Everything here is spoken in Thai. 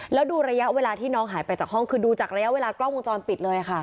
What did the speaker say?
แล้วดูระยะเวลาที่น้องหายไปจากห้องคือดูจากระยะเวลากล้องวงจรปิดเลยค่ะ